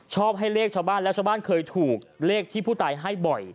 ชอบให้เลขชาวบ้านแล้วชาวบ้านเคยถูกเลขที่ผู้ตายให้บ่อย